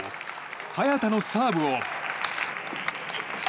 早田のサーブを。